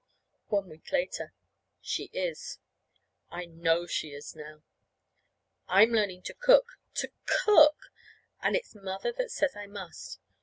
One week later. She is. I know she is now. I'm learning to cook to cook! And it's Mother that says I must.